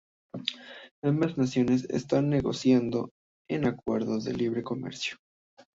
Ambas naciones están negociando un acuerdo de libre comercio.